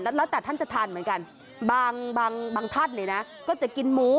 แล้วแต่ท่านจะทานเหมือนกันบางท่านเนี่ยนะก็จะกินหมู